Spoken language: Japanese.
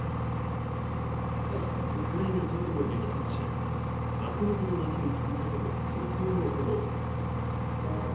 ウクライナ東部の激戦地バフムトの街に降り注ぐ無数の炎。